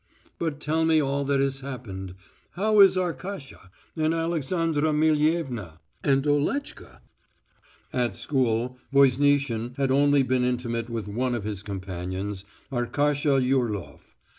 But tell me all that has happened. How is Arkasha and Alexandra Millievna and Oletchka?" At school Voznitsin had only been intimate with one of his companions Arkasha Yurlof.